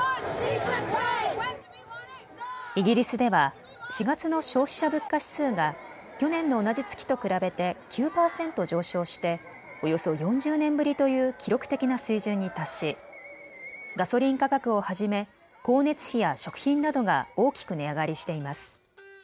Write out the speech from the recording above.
イギリスでは４月の消費者物価指数が去年の同じ月と比べて９％上昇しておよそ４０年ぶりという記録的な水準に達し、ガソリン価格をはじめ光熱費や食品などが大きく値上がりしています。